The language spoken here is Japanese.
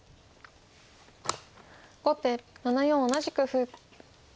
後手７四同じく歩。